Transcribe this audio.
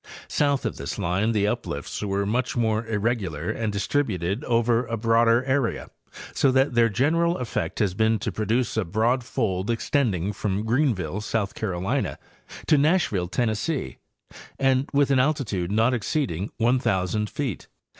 South of this line the uplifts were much more irregular and dis tributed over a broader area, so that their general effect has been to produce a broad fold extending from Greenville, South Caro lina, to Nashville, Tennessee, and with an altitude not exceed ing 1,000 feet.